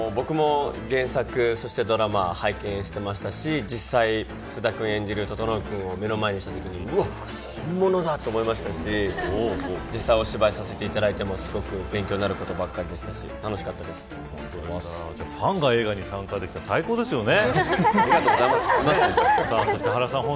僕も原作、ドラマ拝見していましたし実際、菅田くん演じる整君を目の前にしたときに本物だと思いましたし実際お芝居させていただいてすごく勉強になることばかりでしたしファンが映画に参加できたら最高ですよね。